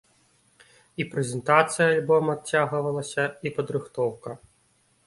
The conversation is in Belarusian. І прэзентацыя альбома адцягвалася і падрыхтоўка.